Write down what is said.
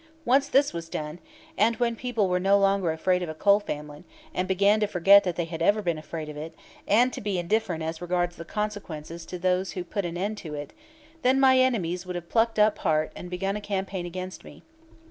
Once this was done, and when people were no longer afraid of a coal famine, and began to forget that they ever had been afraid of it, and to be indifferent as regards the consequences to those who put an end to it, then my enemies would have plucked up heart and begun a campaign against me.